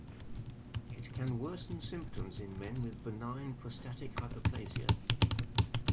It can worsen symptoms in men with benign prostatic hyperplasia.